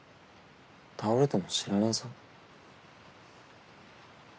倒れても知らねぇぞ。